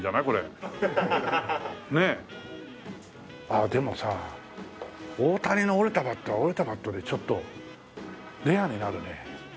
ああでもさ大谷の折れたバットは折れたバットでちょっとレアになるね。